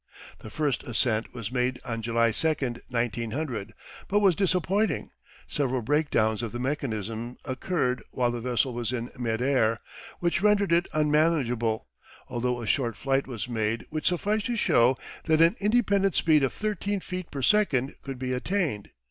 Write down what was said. The first ascent was made on July 2nd, 1900, but was disappointing, several breakdowns of the mechanism occurring while the vessel was in mid air, which rendered it unmanageable, although a short flight was made which sufficed to show that an independent speed of 13 feet per second could be attained.